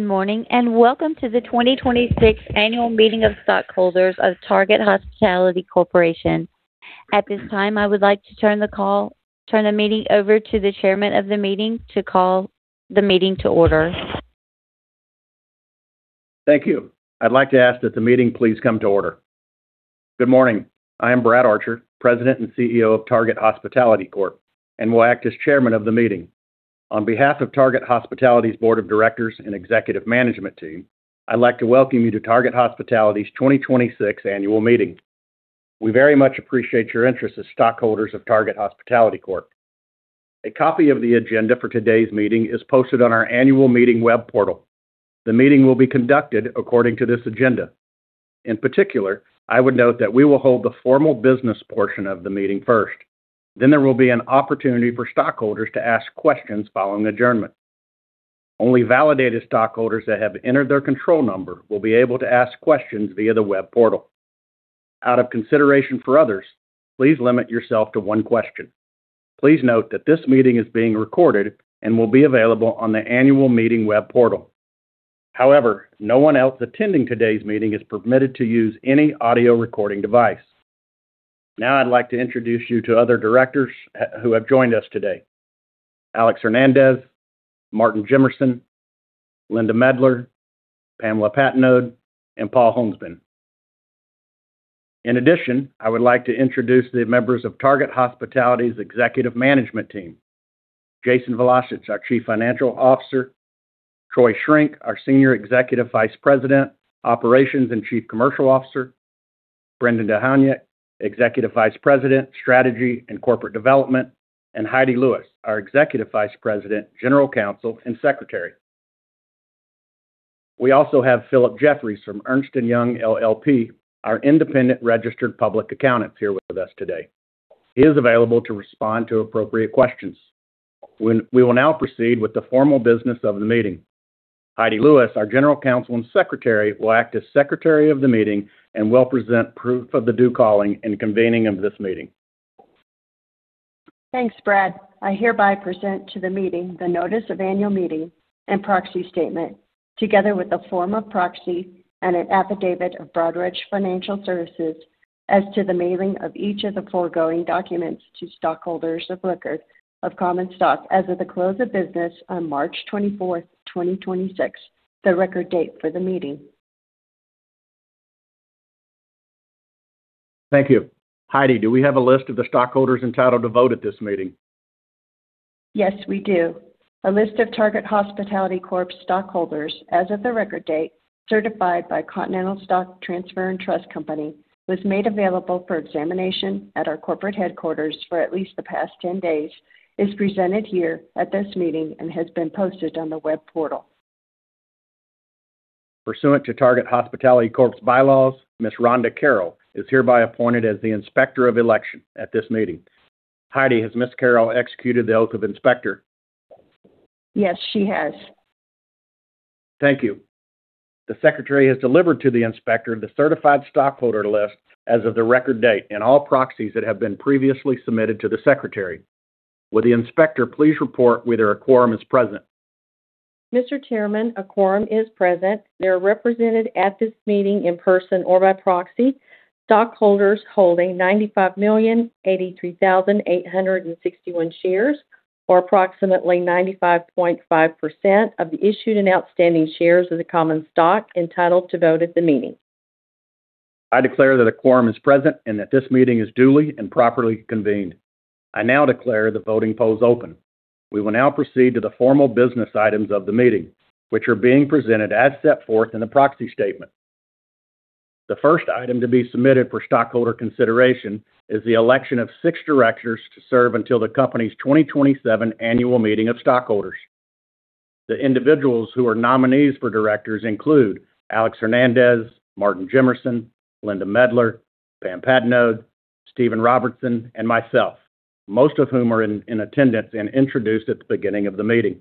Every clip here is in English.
Good morning, and welcome to the 2026 Annual Meeting of Stockholders of Target Hospitality Corp. At this time, I would like to turn the meeting over to the chairman of the meeting to call the meeting to order. Thank you. I'd like to ask that the meeting please come to order. Good morning. I am Brad Archer, President and Chief Executive Officer of Target Hospitality Corp., and will act as Chairman of the meeting. On behalf of Target Hospitality's Board of Directors and Executive Management Team, I'd like to welcome you to Target Hospitality's 2026 annual meeting. We very much appreciate your interest as stockholders of Target Hospitality Corp. A copy of the agenda for today's meeting is posted on our annual meeting web portal. The meeting will be conducted according to this agenda. In particular, I would note that we will hold the formal business portion of the meeting first. There will be an opportunity for stockholders to ask questions following adjournment. Only validated stockholders that have entered their control number will be able to ask questions via the web portal. Out of consideration for others, please limit yourself to one question. Please note that this meeting is being recorded and will be available on the annual meeting web portal. However, no one else attending today's meeting is permitted to use any audio recording device. Now I'd like to introduce you to other directors who have joined us today: Alejandro Hernandez, Martin Jimmerson, Linda Medler, Pamela Patenaude, and Paul Hohnsbeen. In addition, I would like to introduce the members of Target Hospitality's executive management team. Jason Vlacich, our Chief Financial Officer, Troy Schrenk, our Senior Executive Vice President, Operations and Chief Commercial Officer, Brendan Dowhaniuk, Executive Vice President, Strategy and Corporate Development, and Heidi Lewis, our Executive Vice President, General Counsel and Secretary. We also have Philip Jeffries from Ernst & Young LLP, our independent registered public accountants here with us today. He is available to respond to appropriate questions. We will now proceed with the formal business of the meeting. Heidi Lewis, our General Counsel and Secretary, will act as Secretary of the meeting and will present proof of the due calling and convening of this meeting. Thanks, Brad. I hereby present to the meeting the notice of annual meeting and proxy statement, together with a form of proxy and an affidavit of Broadridge Financial Solutions as to the mailing of each of the foregoing documents to stockholders of record of common stock as of the close of business on March 24th, 2026, the record date for the meeting. Thank you. Heidi, do we have a list of the stockholders entitled to vote at this meeting? Yes, we do. A list of Target Hospitality Corp. stockholders as of the record date, certified by Continental Stock Transfer & Trust Company, was made available for examination at our corporate headquarters for at least the past 10 days, is presented here at this meeting, and has been posted on the web portal. Pursuant to Target Hospitality Corp.'s bylaws, Ms. Rhonda Carroll is hereby appointed as the Inspector of Election at this meeting. Heidi, has Ms. Carroll executed the oath of Inspector? Yes, she has. Thank you. The Secretary has delivered to the Inspector the certified stockholder list as of the record date and all proxies that have been previously submitted to the Secretary. Will the Inspector please report whether a quorum is present? Mr. Chairman, a quorum is present. There are represented at this meeting, in person or by proxy, stockholders holding 95,083,861 shares, or approximately 95.5% of the issued and outstanding shares of the common stock entitled to vote at the meeting. I declare that a quorum is present and that this meeting is duly and properly convened. I now declare the voting polls open. We will now proceed to the formal business items of the meeting, which are being presented as set forth in the proxy statement. The first item to be submitted for stockholder consideration is the election of six directors to serve until the company's 2027 annual meeting of stockholders. The individuals who are nominees for directors include Alejandro Hernandez, Martin Jimmerson, Linda Medler, Pamela Patenaude, Stephen Robertson, and myself, most of whom are in attendance and introduced at the beginning of the meeting.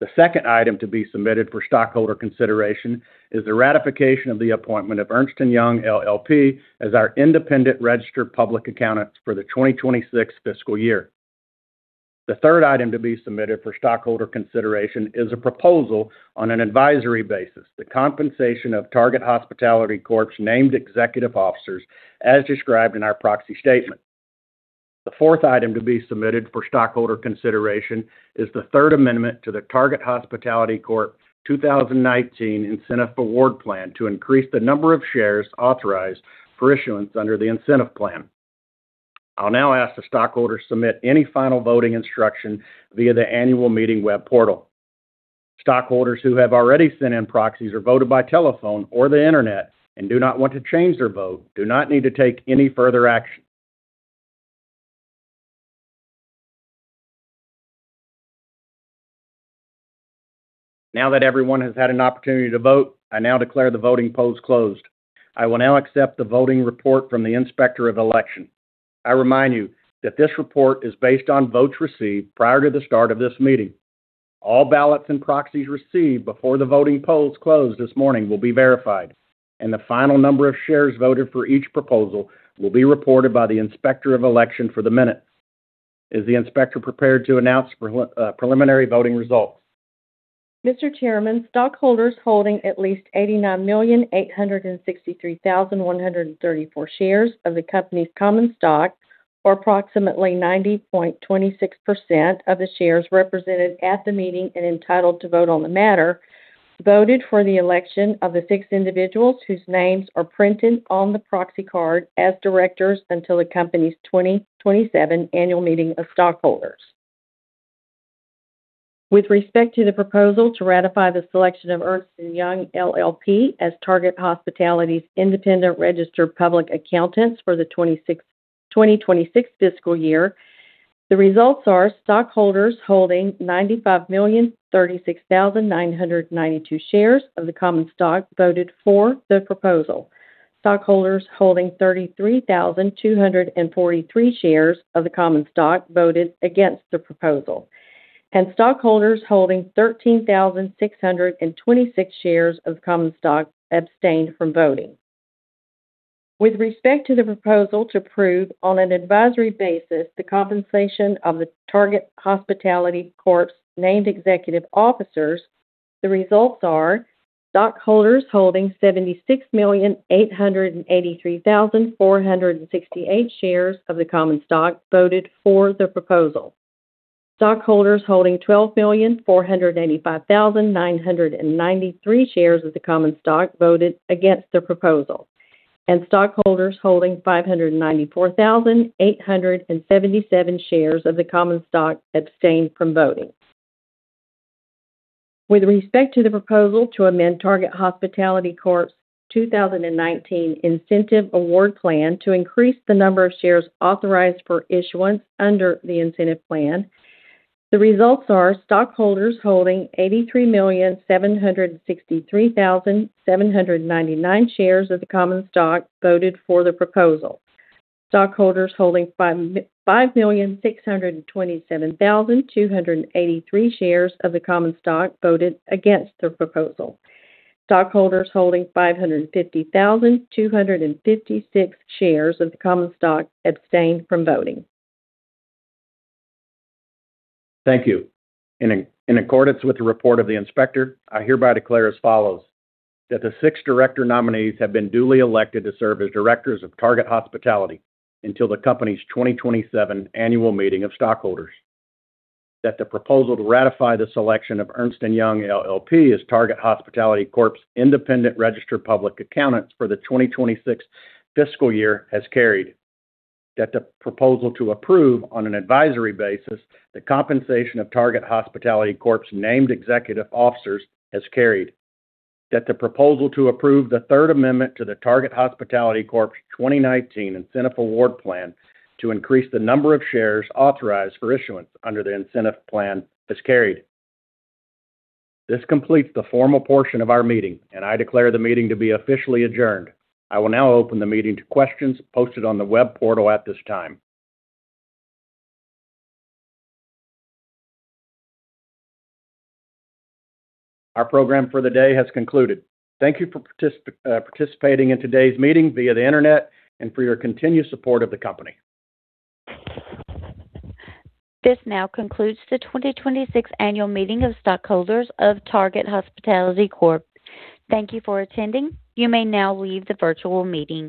The second item to be submitted for stockholder consideration is the ratification of the appointment of Ernst & Young LLP as our independent registered public accountants for the 2026 fiscal year. The third item to be submitted for stockholder consideration is a proposal, on an advisory basis, the compensation of Target Hospitality Corp.'s named executive officers as described in our proxy statement. The fourth item to be submitted for stockholder consideration is the third amendment to the Target Hospitality Corp. 2019 Incentive Award Plan to increase the number of shares authorized for issuance under the incentive plan. I'll now ask the stockholders to submit any final voting instruction via the annual meeting web portal. Stockholders who have already sent in proxies or voted by telephone or the internet and do not want to change their vote do not need to take any further action. Now that everyone has had an opportunity to vote, I now declare the voting polls closed. I will now accept the voting report from the Inspector of Election. I remind you that this report is based on votes received prior to the start of this meeting. All ballots and proxies received before the voting polls closed this morning will be verified, and the final number of shares voted for each proposal will be reported by the Inspector of Election for the minutes. Is the Inspector prepared to announce preliminary voting results? Mr. Chairman, stockholders holding at least 89,863,134 shares of the company's common stock, or approximately 90.26% of the shares represented at the meeting and entitled to vote on the matter, voted for the election of the six individuals whose names are printed on the proxy card as directors until the company's 2027 annual meeting of stockholders. With respect to the proposal to ratify the selection of Ernst & Young LLP as Target Hospitality's independent registered public accountants for the 2026 fiscal year, the results are: stockholders holding 95,036,992 shares of the common stock voted for the proposal. Stockholders holding 33,243 shares of the common stock voted against the proposal, and stockholders holding 13,626 shares of common stock abstained from voting. With respect to the proposal to approve, on an advisory basis, the compensation of the Target Hospitality Corp.'s named executive officers, the results are: stockholders holding 76,883,468 shares of the common stock voted for the proposal. Stockholders holding 12,485,993 shares of the common stock voted against the proposal, and stockholders holding 594,877 shares of the common stock abstained from voting. With respect to the proposal to amend Target Hospitality Corp.'s 2019 Incentive Award Plan to increase the number of shares authorized for issuance under the incentive plan, the results are: stockholders holding 83,763,799 shares of the common stock voted for the proposal. Stockholders holding 5,627,283 shares of the common stock voted against the proposal. Stockholders holding 550,256 shares of the common stock abstained from voting. Thank you. In accordance with the report of the inspector, I hereby declare as follows, that the six director nominees have been duly elected to serve as directors of Target Hospitality until the company's 2027 annual meeting of stockholders. That the proposal to ratify the selection of Ernst & Young LLP as Target Hospitality Corp.'s independent registered public accountants for the 2026 fiscal year has carried. That the proposal to approve, on an advisory basis, the compensation of Target Hospitality Corp.'s named executive officers has carried. That the proposal to approve the third amendment to the Target Hospitality Corp.'s 2019 Incentive Award Plan to increase the number of shares authorized for issuance under the incentive plan has carried. This completes the formal portion of our meeting, and I declare the meeting to be officially adjourned. I will now open the meeting to questions posted on the web portal at this time. Our program for the day has concluded. Thank you for participating in today's meeting via the Internet and for your continued support of the company. This now concludes the 2026 annual meeting of stockholders of Target Hospitality Corp. Thank you for attending. You may now leave the virtual meeting.